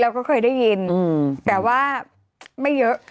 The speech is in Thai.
เราก็เคยได้ยินแต่ว่าไม่เยอะ